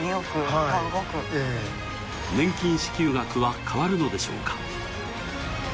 年金支給額は変わるのでしょうか。